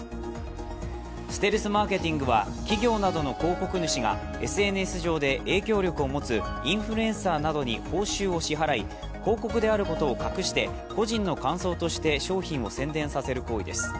ステルスマーケティングは企業などの広告主がＳＮＳ上で影響力を持つインフルエンサーなどに報酬を支払い、広告であることを隠して個人の感想として商品を宣伝させる行為です。